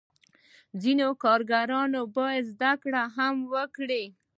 ځینې کارګران باید زده کړه هم وکړي.